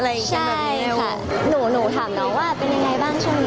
หละหละหนูถามน้องว่าเป็นอย่างไรบ้างแช่งนี้